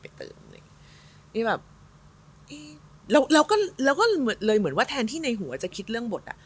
ฉะนั้นแทนที่ในหัวจะคิดเรื่องบท